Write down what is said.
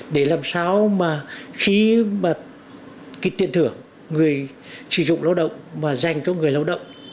để làm sao mà khi mà cái tiền thưởng người sử dụng lao động mà dành cho người lao động